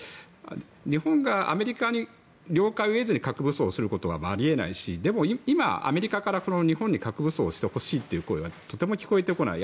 日本がアメリカに了解を得ずに核武装をすることはあり得ないしでも今、アメリカから日本に核武装してという声はとても聞こえてこない。